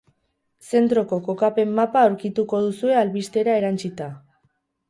Zentroko kokapen-mapa aurkituko duzue albistera erantsita.